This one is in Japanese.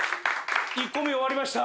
１個目終わりました。